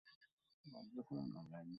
এই মডেলটি গ্রহণ করেছিলেন অ্যারিস্টটল।